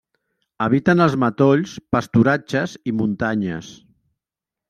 Habita en els matolls, pasturatges i muntanyes.